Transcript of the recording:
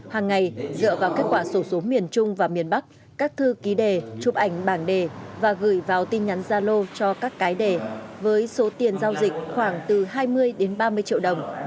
hàng ngày dựa vào kết quả sổ số miền trung và miền bắc các thư ký đề chụp ảnh bảng đề và gửi vào tin nhắn gia lô cho các cái đề với số tiền giao dịch khoảng từ hai mươi đến ba mươi triệu đồng